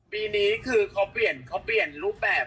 ปีนี้คือเขาเปลี่ยนเขาเปลี่ยนรูปแบบ